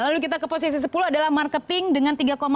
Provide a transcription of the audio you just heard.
lalu kita ke posisi ke sepuluh adalah marketing dengan tiga empat puluh enam